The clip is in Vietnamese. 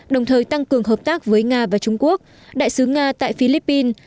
đồng thời tăng cường hợp tác với nga và trung quốc đại sứ nga tại philippines